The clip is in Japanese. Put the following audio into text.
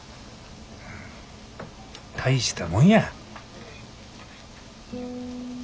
大したもんや。